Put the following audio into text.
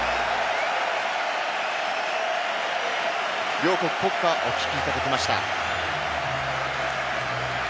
両国国歌をお聴きいただきました。